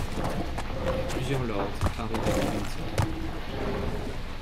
Plusieurs lords arrivaient de Windsor.